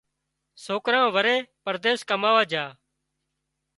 سوڪران وري پرديس ڪماوا جھا